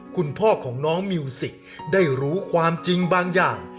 คุณพ่อของน้องมิวสิกได้รู้ความจริงบางอย่าง